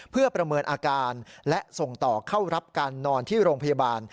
เพื่อประเมินอาการและส่งต่อเข้ารับการนอนที่โรงพยาบาล